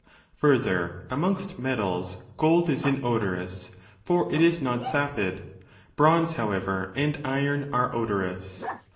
5 Further, amongst metals gold is inodorous, for it is not sapid; bronze, however, and iron are odorous.